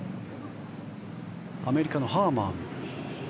アメリカのハーマンです。